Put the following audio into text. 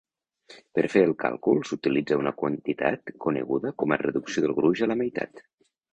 Per fer el calcul, s"utilitza una quantitat coneguda com "reducció del gruix a la meitat".